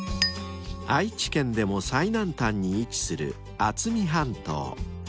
［愛知県でも最南端に位置する渥美半島］